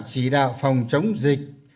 chỉ đạo phòng chống dịch